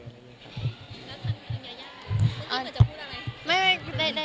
แล้วท่านพี่น้องยายาจะพูดอะไร